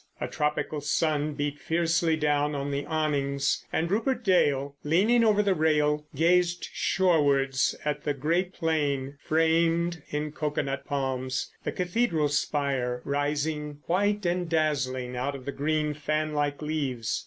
A tropical sun beat fiercely down on the awnings, and Rupert Dale, leaning over the rail, gazed shorewards at the great plain framed in cocoanut palms—the Cathedral spire rising white and dazzling out of the green, fan like leaves.